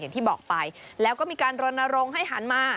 อย่างที่บอกไปแล้วก็มีการรณรงค์ให้หันมา